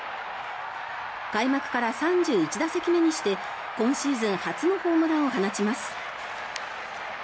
開幕から３１打席目にして今シーズン初のホームランを放ちます。